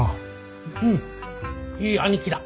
うんいい兄貴だ。